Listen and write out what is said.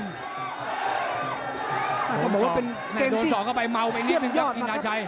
โดนส่อเข้าไปเมาไปนิดนึงครับอินทราชัย